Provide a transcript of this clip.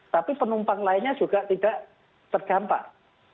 tapi penumpang lainnya juga tidak terdampak